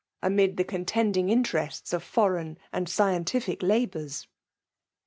amid the contending intereste of foreign and scientific labours.